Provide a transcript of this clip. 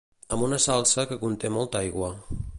amb una salsa que conté molta aigua